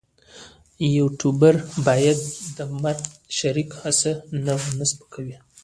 یوټوبر باید د مرکه شریک هڅوي نه سپکوي.